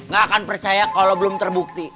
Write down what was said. gak akan percaya kalau belum terbukti